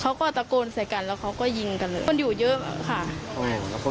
เขาก็อัตโกนแล้วเขาก็ยิงกันเลย